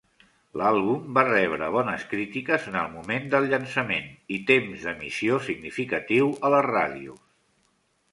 L'àlbum va rebre bones crítiques en el moment del llançament i temps d'emissió significatiu a les ràdios.